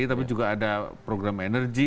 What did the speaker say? tapi juga ada program energi